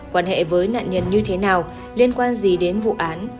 quan hệ với nạn nhân như thế nào liên quan gì đến vụ án